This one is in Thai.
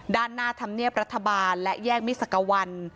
ด้านหน้าธรรมเนียบรัฐบาลและแยกมิสักวัน